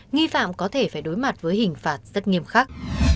nghi phạm có thể phải đối mặt với hình phạt rất nghiêm khắc